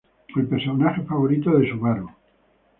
El personaje favorito de Subaru.